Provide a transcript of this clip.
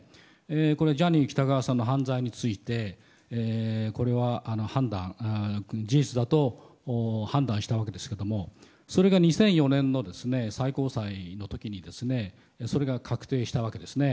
これはジャニー喜多川さんの犯罪についてこれは判断、事実だと判断したわけですけれどもそれが２００４年の最高裁の時にそれが確定したわけですね。